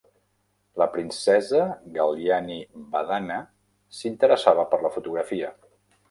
La princesa Galyani Vadhana s'interessava per la fotografia.